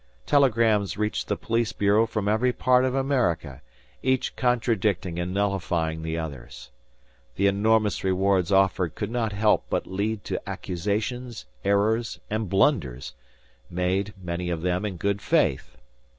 Telegrams reached the police bureau from every part of America, each contradicting and nullifying the others. The enormous rewards offered could not help but lead to accusations, errors, and blunders, made, many of them, in good faith.